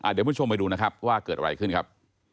เดี๋ยวผู้ชมไปดูนะครับว่าเกิดอะไรขึ้นครับ